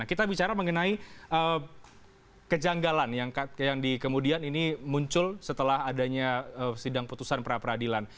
kita bicara mengenai kejanggalan yang di kemudian ini muncul setelah adanya sidang putusan pra peradilan